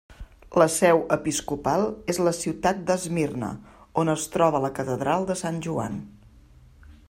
La seu episcopal és la ciutat d'Esmirna, on es troba la catedral de Sant Joan.